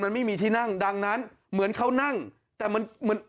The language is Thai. มันไม่มีที่นั่งดังนั้นเหมือนเขานั่งแต่มันเหมือน